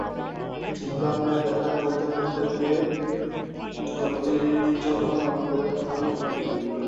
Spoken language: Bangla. জিবরানের লেখা কবিতা থেকে গল্প তৈরির জন্য আমি তাঁদের পূর্ণাঙ্গ স্বাধীনতা দিই।